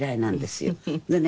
でね